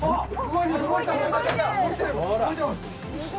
動いてます！